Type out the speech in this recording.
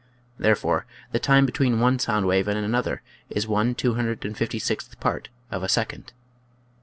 Therefore the time between one sound wave and another is one two hundred and fifty sixth part of a second.